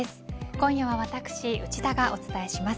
今夜は私、内田がお伝えします。